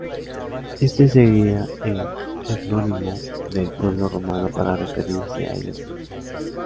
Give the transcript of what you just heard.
Este sería el etnónimo del pueblo romano para referirse a ellos mismos.